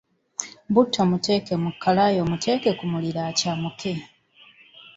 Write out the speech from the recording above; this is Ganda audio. Butto muteeke mu kkalaayi omuteeke ku muliro akyamuke.